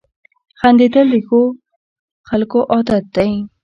• خندېدل د ښو خلکو عادت دی.